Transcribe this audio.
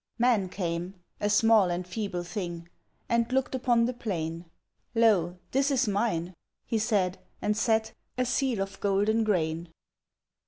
Man came, a small and feeble thing, And looked upon the plain. "Lo, this is mine," he said, and set A seal of golden grain.